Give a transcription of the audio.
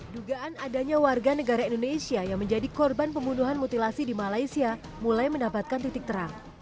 dugaan adanya warga negara indonesia yang menjadi korban pembunuhan mutilasi di malaysia mulai mendapatkan titik terang